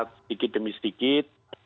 sedikit demi sedikit